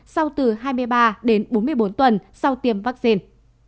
sau từ hai mươi ba đến bốn mươi bốn tuần sau tiêm vaccine